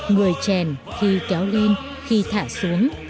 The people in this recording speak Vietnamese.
người trèn khi kéo lên khi thả xuống